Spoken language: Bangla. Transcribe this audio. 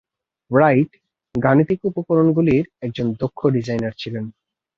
রাইট গাণিতিক উপকরণগুলির একজন দক্ষ ডিজাইনার ছিলেন।